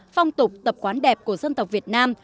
phong tục tập quán đẹp của dân tộc việt nam